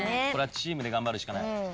チームで頑張るしかない。